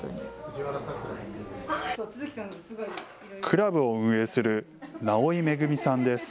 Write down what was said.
クラブを運営する直井恵さんです。